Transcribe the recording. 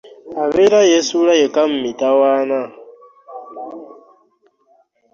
Abeera yesuula yekka mu mitawaana .